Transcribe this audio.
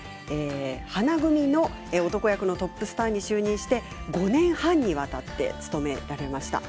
花組の男役のトップスターに就任して５年半にわたって務められました。